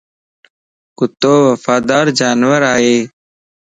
ڪُتو وفادار جانور ائي